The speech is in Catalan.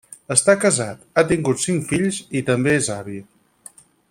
Està casat, ha tingut cinc fills i també és avi.